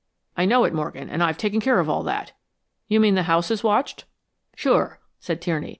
"I know it, Morgan, and I've taken care of all that." "You mean the house is watched?" "Sure," said Tierney.